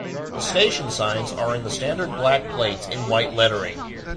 The station signs are in the standard black plates in white lettering.